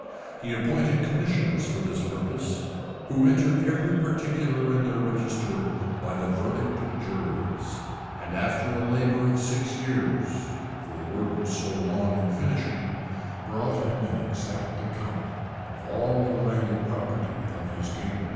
He appointed commissioners for this purpose, who entered every particular in their register by the verdict of juries; and after a labor of six years, (for the work was so long in finishing,) brought him an exact account of all the landed property of his kingdom.